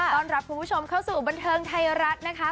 ต้อนรับคุณผู้ชมเข้าสู่บันเทิงไทยรัฐนะคะ